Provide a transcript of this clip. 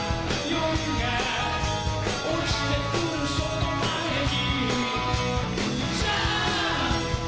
夜が落ちてくるその前に」